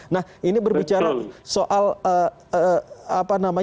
nah ini berbicara soal apa namanya anak anak yang boleh naik pesawat